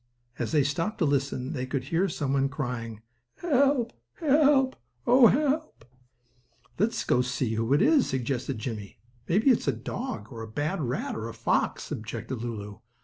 As they stopped to listen they could hear some one crying: "Help! Help! Oh, help!" "Let's go and see who it is," suggested Jimmie. "Maybe it's a dog, or a bad rat, or a fox," objected Lulu.